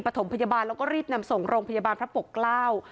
ถมพยาบาลแล้วก็รีบนำส่งโรงพยาบาลพระปกเกล้า